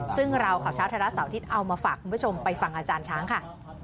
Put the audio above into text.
ซึ่งเราข่าวเช้าไทยรัฐเสาร์อาทิตย์เอามาฝากคุณผู้ชมไปฟังอาจารย์ช้างค่ะ